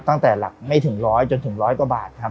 ตั้งแต่หลักไม่ถึง๑๐๐จนถึง๑๐๐กว่าบาท